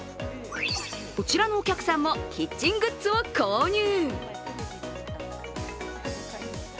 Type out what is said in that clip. こちらのお客さんもキッチングッズを購入。